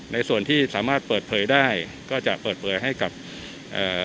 ในส่วนที่สามารถเปิดเผยได้ก็จะเปิดเผยให้กับเอ่อ